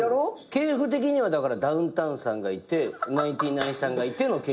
系譜的にはダウンタウンさんがいてナインティナインさんがいての。